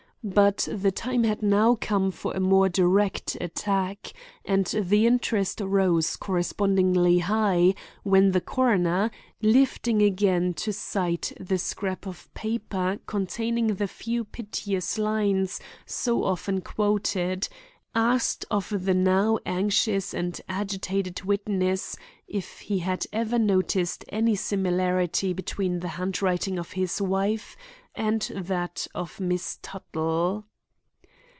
But the time had now come for a more direct attack, and the interest rose correspondingly high, when the coroner, lifting again to sight the scrap of paper containing the few piteous lines so often quoted, asked of the now anxious and agitated witness, if he had ever noticed any similarity between the handwriting of his wife and that of Miss Tuttle.